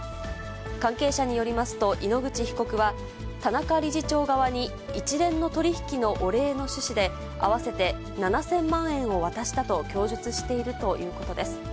関係者によりますと、井ノ口被告は、田中理事長側に一連の取り引きのお礼の趣旨で、合わせて７０００万円を渡したと供述しているということです。